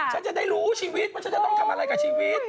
ฉันจะได้รู้ชีวิตว่าฉันจะต้องทำอะไรกับชีวิต